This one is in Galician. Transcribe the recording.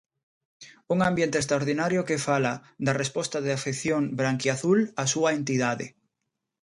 Un ambiente extraordinario que fala da resposta da afección branquiazul á súa entidade.